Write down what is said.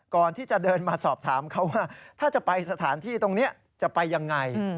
ก่อนที่จะเดินมาสอบถามเขาว่าถ้าจะไปสถานที่ตรงนี้จะไปยังไง